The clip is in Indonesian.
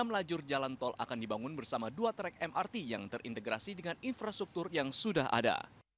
enam lajur jalan tol akan dibangun bersama dua track mrt yang terintegrasi dengan infrastruktur yang sudah ada